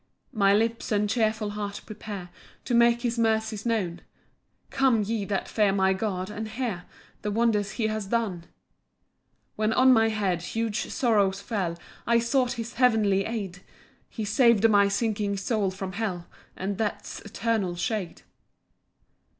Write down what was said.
2 My lips and cheerful heart prepare To make his mercies known; Come, ye that fear my God, and hear The wonders he has done. 3 When on my head huge sorrows fell, I sought his heavenly aid, He sav'd my sinking soul from hell, And death's eternal shade.